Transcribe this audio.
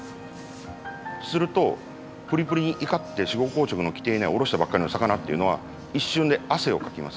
するとプリプリにいかって死後硬直の来ていないおろしたばっかりの魚っていうのは一瞬で汗をかきます。